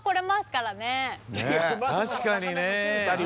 確かにね。